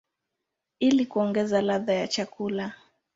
ili kuongeza ladha ya chakula.